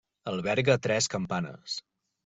Alberga tres campanes.